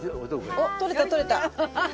おっ取れた取れた！